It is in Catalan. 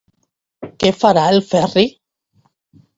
Què farà el Ferri?